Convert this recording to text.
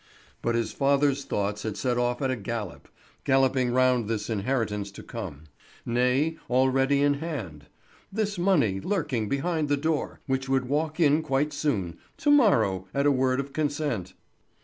But his father's thoughts had set off at a gallop—galloping round this inheritance to come; nay, already in hand; this money lurking behind the door, which would walk in quite soon, to morrow, at a word of consent.